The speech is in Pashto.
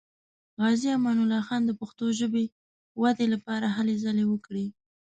غازي امان الله خان د پښتو ژبې ودې لپاره هلې ځلې وکړې.